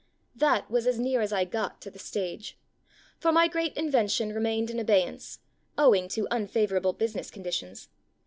That was as near as I got to the stage, for my great invention remained in abey ance, owing to unfavorable business condi tions.